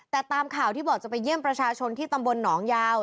แต่ตามข่าวที่บอกจะไปเยี่ยมประชาชนที่ตำบลหนองยาว